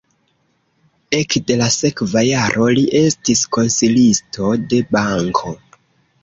Ekde la sekva jaro li estis konsilisto de banko.